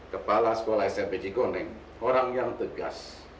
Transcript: kepala sekolah smp cigoneng orang yang tegas